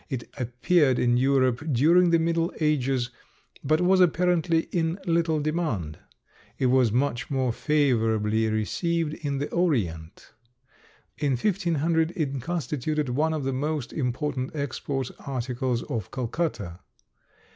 It appeared in Europe during the middle ages, but was apparently in little demand. It was much more favorably received in the Orient. In 1500 it constituted one of the most important export articles of Calcutta.